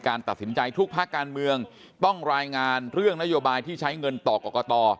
ตัดสินใจทุกภาคการเมืองต้องรายงานเรื่องนโยบายที่ใช้เงินต่อกรกต